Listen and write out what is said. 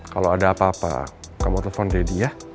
kalau ada apa apa kamu telpon deddy ya